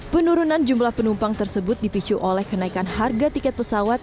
penurunan jumlah penumpang tersebut dipicu oleh kenaikan harga tiket pesawat